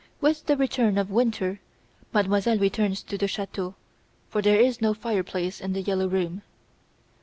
With the return of winter, Mademoiselle returns to the chateau, for there is no fireplace in "The Yellow Room".